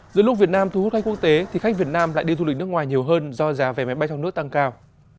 giữa lúc việt nam thu hút khách quốc tế thì khách việt nam lại đi du lịch nước ngoài nhiều hơn do giá vé máy bay trong nước tăng cao